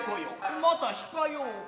また控えようか。